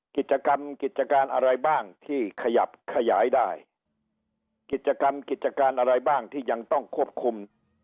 กิจกรรมกิจการอะไรบ้างที่ขยับขยายได้กิจกรรมกิจการอะไรบ้างที่ยังต้องควบคุม